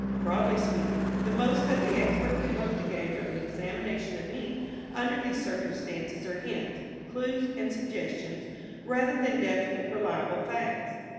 Broadly speaking, the most that the expert can hope to gain from an examination of ink under these circumstances are hints, clues and suggestions rather than definite, reliable facts.